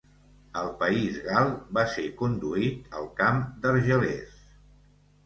Al país gal, va ser conduït al Camp d'Argelers.